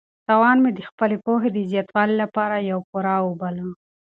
تاوان مې د خپلې پوهې د زیاتوالي لپاره یو پور وباله.